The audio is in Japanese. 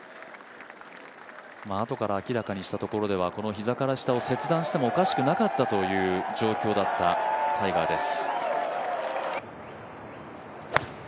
あとから明らかにしたところでは膝から下を切断してもおかしくなかったという、状況だった、タイガーです。